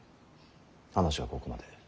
話はここまで。